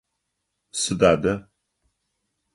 Сыда адэ?